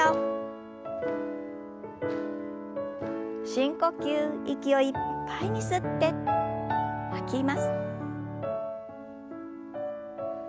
深呼吸息をいっぱいに吸って吐きます。